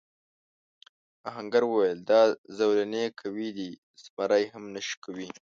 آهنګر وویل دا زولنې قوي دي زمری هم نه شکوي.